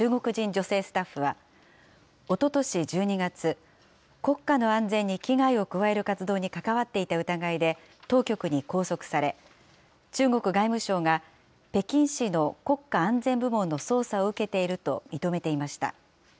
女性スタッフは、おととし１２月、国家の安全に危害を加える活動に関わっていた疑いで、当局に拘束され、中国外務省が、北京市の国家安全部門の捜査を受けていると認めていました。